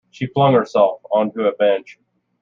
She flung herself on to a bench.